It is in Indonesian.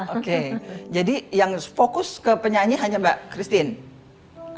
oke jadi yang fokus ke penyanyi hanya mbak christine